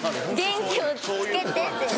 「元気をつけて」って。